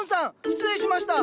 失礼しました。